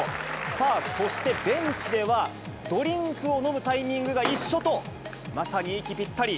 さあ、そしてベンチでは、ドリンクを飲むタイミングが一緒と、まさに息ぴったり。